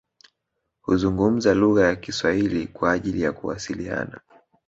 Huzungumza lugha ya kiswahili kwa ajili ya kuwasiliana